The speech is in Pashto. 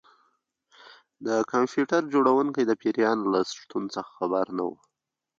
د کمپیوټر جوړونکی د پیریان له شتون څخه خبر نه و